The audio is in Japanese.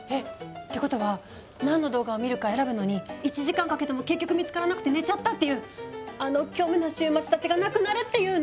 ってことは何の動画を見るか選ぶのに１時間かけても結局見つからなくて寝ちゃったっていうあの虚無の週末たちがなくなるっていうの？